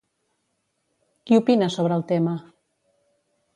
Qui opina sobre el tema?